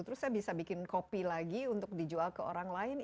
terus saya bisa bikin kopi lagi untuk dijual ke orang lain